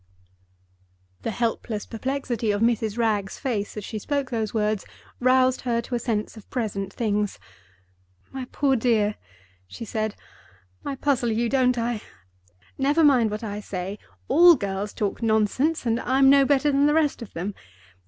The helpless perplexity of Mrs. Wragge's face as she spoke those words roused her to a sense of present things. "My poor dear!" she said; "I puzzle you, don't I? Never mind what I say—all girls talk nonsense, and I'm no better than the rest of them.